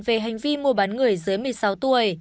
về hành vi mua bán người dưới một mươi sáu tuổi